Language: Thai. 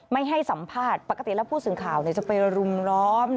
ไม่ให้สัมภาษณ์ปกติแล้วผู้สื่อข่าวจะไปรุมล้อม